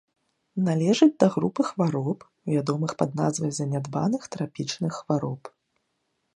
Належыць да групы хвароб, вядомых пад назвай занядбаных трапічных хвароб.